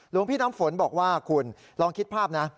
พี่น้ำฝนบอกว่าคุณลองคิดภาพนะ